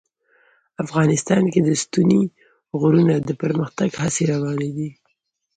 افغانستان کې د ستوني غرونه د پرمختګ هڅې روانې دي.